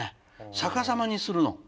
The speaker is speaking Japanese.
逆さまにするの。